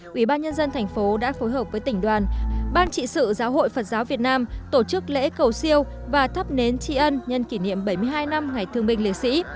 quỹ ban nhân dân thành phố đã phối hợp với tỉnh đoàn ban trị sự giáo hội phật giáo việt nam tổ chức lễ cầu siêu và thắp nến tri ân nhân kỷ niệm bảy mươi hai năm ngày thương binh liệt sĩ